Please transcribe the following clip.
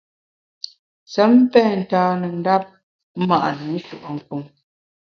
Sem pen ntane ndap ma’ne nshùe’nkun.